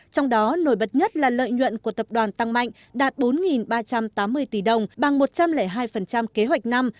trong đó nổi bật nhất là lợi nhuận của tập đoàn tăng mạnh đạt bốn ba trăm tám mươi tỷ đồng bằng một trăm linh hai kế hoạch năm